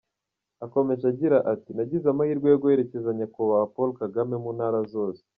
Akomeje agira ati “ Nagize amahirwe yo guherekeza Nyakubahwa Paul Kagame mu ntara zose.